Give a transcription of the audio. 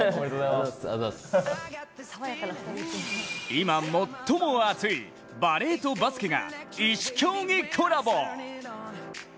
今、最も熱いバレーとバスケが異種競技コラボ。